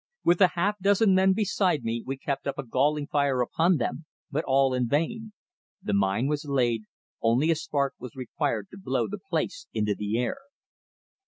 With the half dozen men beside me we kept up a galling fire upon them, but all in vain. The mine was laid; only a spark was required to blow the place into the air.